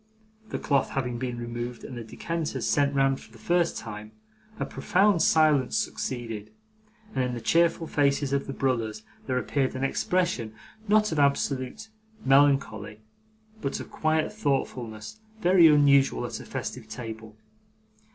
The cloth having been removed and the decanters sent round for the first time, a profound silence succeeded, and in the cheerful faces of the brothers there appeared an expression, not of absolute melancholy, but of quiet thoughtfulness very unusual at a festive table.